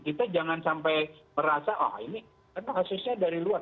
kita jangan sampai merasa oh ini kasusnya dari luar